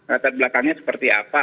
kata belakangnya seperti apa